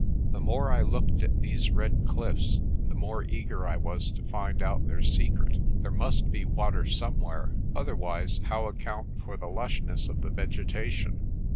The more I looked at these red cliffs the more eager I was to find out their secret. There must be water somewhere; otherwise how account for the lush ness of the vegetation?